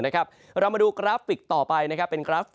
ก็จะมาดูกราฟฟิกต่อไปนะครับ